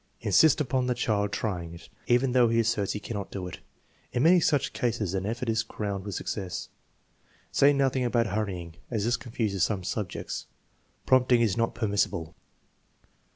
Insist upon the child trying it even though he asserts he cannot do it. In many such cases an effort is crowned with success. Say nothing about hurrying, as this confuses some subjects. Prompting is not permissible.